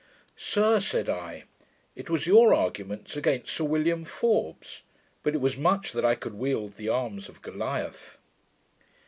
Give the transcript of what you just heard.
'Sir,' said I, 'it was with your arguments against Sir William Forbes: but it was much that I could wield the arms of Goliah.'